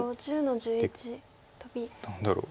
で何だろう。